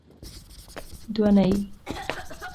دونۍ